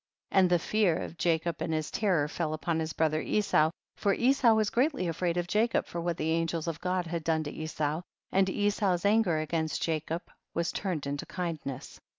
55. And the fear of Jacob and his terror fell upon his brother Esau, for Esau was greatly afraid of Jacob for what the angels of God had done to Esau, and Esau's anger against Ja cob was turned into kindness.